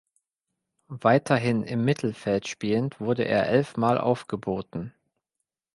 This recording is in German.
Weiterhin im Mittelfeld spielend wurde er elfmal aufgeboten.